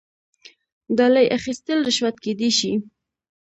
ډالۍ اخیستل رشوت کیدی شي